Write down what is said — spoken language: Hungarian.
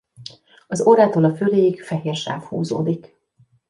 Az orrától a füléig fehér sáv húzódik.